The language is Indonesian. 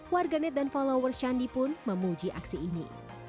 warganet dan followers shandy pun memuji aksi ini